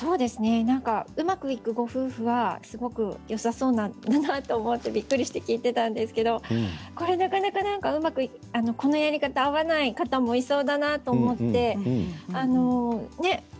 うまくいくご夫婦はすごくよさそうだなと思ってびっくりして聞いてたんですけどこれ、なかなかこのやり方合わない方もいそうだなと思って。